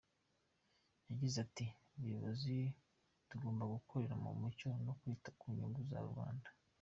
Yagize ati :"Abayobozi tugomba gukorera mu mucyo no kwita ku nyungu za rubanda.